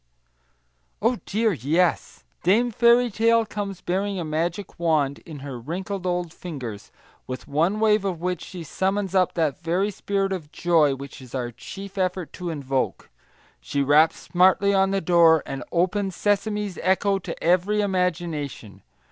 Oh dear, yes! Dame Fairy Tale comes bearing a magic wand in her wrinkled old fingers, with one wave of which she summons up that very spirit of joy which it is our chief effort to invoke. She raps smartly on the door, and open sesames echo to every imagination.